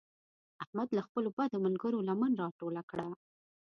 احمد له خپلو بدو ملګرو لمن راټوله کړه.